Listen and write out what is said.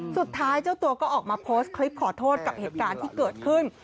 เจ้าตัวก็ออกมาโพสต์คลิปขอโทษกับเหตุการณ์ที่เกิดขึ้น